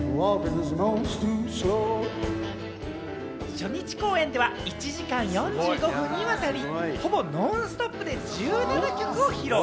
初日公演では１時間４５分にわたり、ほぼノンストップで１７曲を披露。